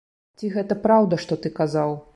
Ці гэта праўда, што ты казаў?